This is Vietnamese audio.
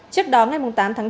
trước đó ngày tám tháng chín